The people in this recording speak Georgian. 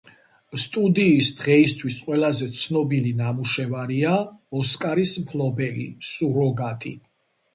სტუდიის დღეისთვის ყველაზე ცნობილი ნამუშევარია ოსკარის მფლობელი „სუროგატი“.